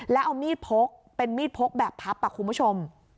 แล้วเอามีดพกเป็นมีดพกแบบพับคุณผู้ชม